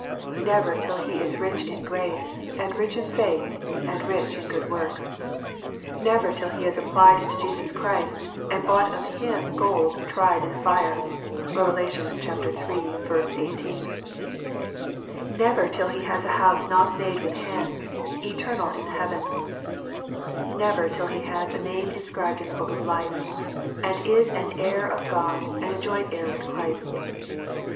Never till he is rich in grace, and rich in faith, and rich in good works ! Never till he has applied to Jesus Christ, and bought of him gold tried in the fire ! (Rev. iii. 18.) Never till he has a house not made with hands, eternal in the heavens 1 Never till he has a name inscribed in the book of lift*, and is an heir of God and a joint heir with Christ